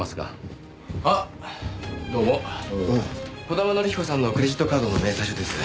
児玉則彦さんのクレジットカードの明細書です。